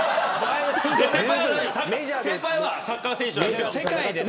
先輩はサッカー選手なんで。